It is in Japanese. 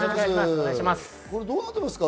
どうなってますか？